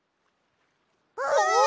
あ！